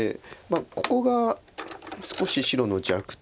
ここが少し白の弱点で。